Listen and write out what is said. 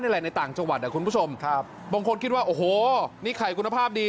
อะไรในต่างจังหวัดอ่ะคุณผู้ชมครับบางคนคิดว่าโอ้โหนี่ไข่คุณภาพดี